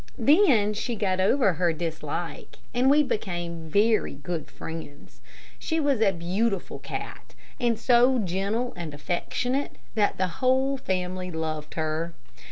Then she got over her dislike and we became very good friends. She was a beautiful cat, and so gentle and affectionate that the whole family loved her.